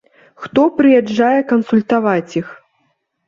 Хто прыязджае кансультаваць іх?